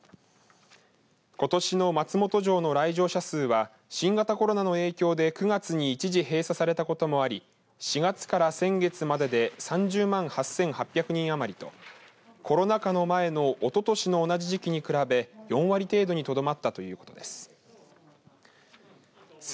ことしの松本城の来場者数は新型コロナの影響で９月に一時閉鎖されたこともあり４月から先月までで３０万８８００人余りとコロナ禍の前のおととしの同じ時期に比べ４割程度にとどまったということです。